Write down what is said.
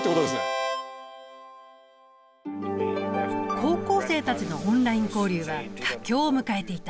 高校生たちのオンライン交流は佳境を迎えていた。